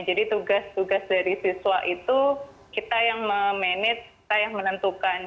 jadi tugas tugas dari siswa itu kita yang memanage kita yang menentukan